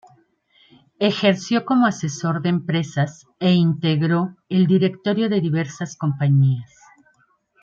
Ejerció como asesor de empresas e integró el directorio de diversas compañías.